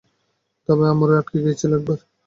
তবে আমারও আটকে গিয়েছিল একবার।